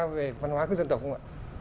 về văn hóa của dân tộc không ạ